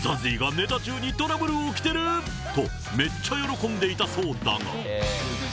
ＺＡＺＹがネタ中にトラブル起きてるとめっちゃ喜んでいたそうだが。